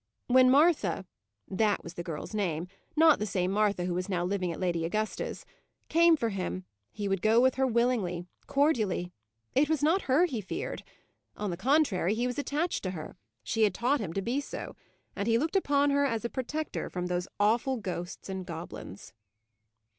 When Martha that was the girl's name: not the same Martha who was now living at Lady Augusta's came for him, he would go with her willingly, cordially. It was not her he feared. On the contrary, he was attached to her; she had taught him to be so; and he looked upon her as a protector from those awful ghosts and goblins.